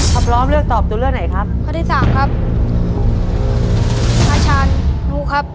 พร้อมเลือกตอบตัวเลือกไหนครับ